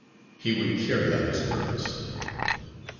He would carry out his purpose.